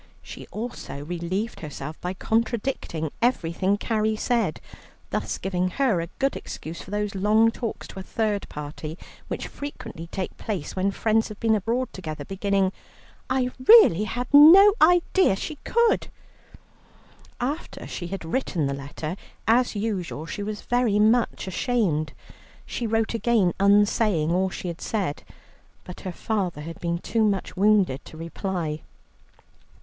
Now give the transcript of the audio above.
She also relieved herself by contradicting everything Carrie said, thus giving her a good excuse for those long talks to a third party, which frequently take place when friends have been abroad together, beginning, "I really had no idea she could." After she had written the letter, as usual she was very much ashamed. She wrote again unsaying all she had said, but her father had been too much wounded to reply.